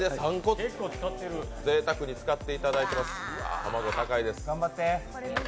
ぜいたくに使っていただいています、卵、高いです。